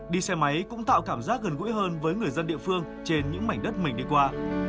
đi xe máy cũng tạo cảm giác gần gũi hơn với người dân địa phương trên những mảnh đất mình đi qua